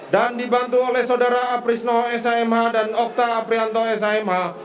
dan dibantu oleh saudara aprisno s a m h dan okta aprianto s a m h